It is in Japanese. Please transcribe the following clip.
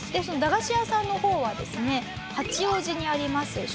その駄菓子屋さんの方はですね八王子にあります